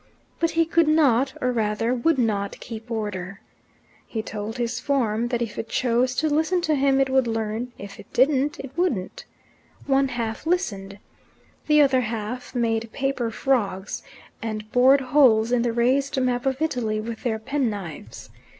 But he could not or rather would not, keep order. He told his form that if it chose to listen to him it would learn; if it didn't, it wouldn't. One half listened. The other half made paper frogs, and bored holes in the raised map of Italy with their penknives.